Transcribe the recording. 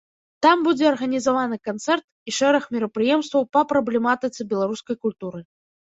Там будзе арганізаваны канцэрт і шэраг мерапрыемстваў па праблематыцы беларускай культуры.